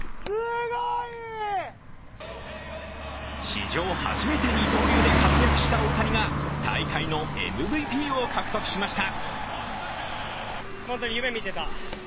史上初めて二刀流で活躍した大谷が大会のＭＶＰを獲得しました。